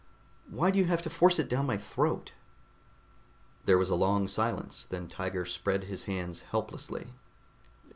Why do you have to force it down my throat?" There was a long silence. Then Tiger spread his hands helplessly.